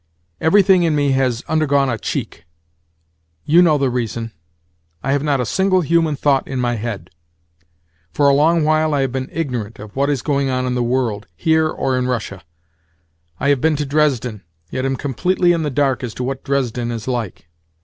Everything in me has undergone a cheek. You know the reason. I have not a single human thought in my head. For a long while I have been ignorant of what is going on in the world—here or in Russia. I have been to Dresden, yet am completely in the dark as to what Dresden is like.